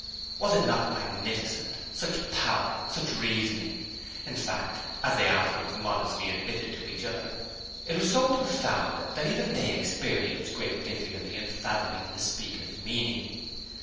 Was it not magnificent! Such power! Such reasoning! In fact, as they afterwards modestly admitted to each other, it was so profound that even they experienced great difficulty in fathoming the speaker's meaning.